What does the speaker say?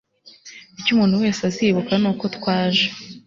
icyo umuntu wese azibuka nuko twaje